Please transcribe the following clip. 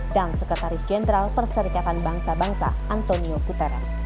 dan sekretaris jenderal perserikatan bangsa bangsa antonio putera